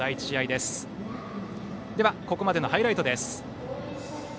では、ここまでのハイライトです。